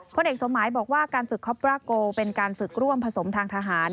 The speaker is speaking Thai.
เอกสมหมายบอกว่าการฝึกคอปราโกเป็นการฝึกร่วมผสมทางทหาร